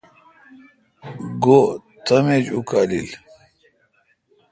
گو تم ایج اکالیل